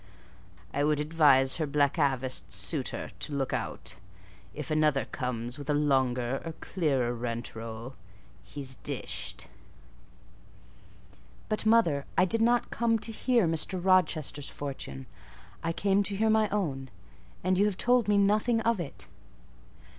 I would advise her blackaviced suitor to look out: if another comes, with a longer or clearer rent roll,—he's dished—" "But, mother, I did not come to hear Mr. Rochester's fortune: I came to hear my own; and you have told me nothing of it."